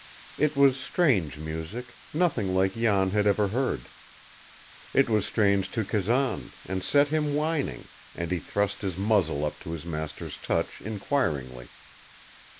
It was strange music, nothing like Jan had ever heard. It was strange to Kazan, and set him whining, and he thrust his muzzle up to his master's touch inquiringly.